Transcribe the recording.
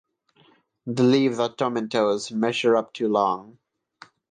The leaves are tomentose and measure up to long.